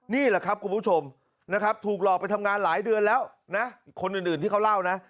นี่แหละครับคุณผู้ชมนะครับถูกหลอกไปทำงานหลายเดือนแล้วนะคนอื่นที่เขาเล่านะ